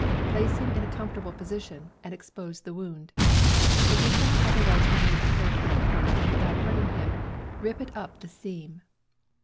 Place him in a comfortable position, and expose the wound. If you cannot otherwise remove the clothing quickly and without hurting him, rip it up the seam.